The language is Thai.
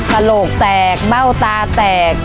ขโลกแตกเบ้าตาแตก